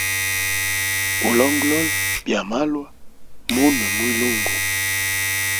Ulongolola byamalwa munwe mwilungu.